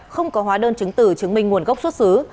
không có hóa đơn chứng tử chứng minh nguồn gốc xuất xứ